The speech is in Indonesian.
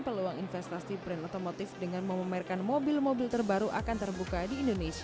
peluang investasi brand otomotif dengan memamerkan mobil mobil terbaru akan terbuka di indonesia